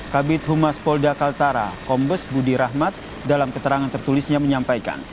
kabit humas polda kaltara kombes budi rahmat dalam keterangan tertulisnya menyampaikan